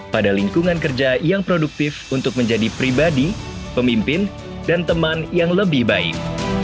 pada lingkungan kerja yang produktif untuk menjadi pribadi pemimpin dan teman yang lebih baik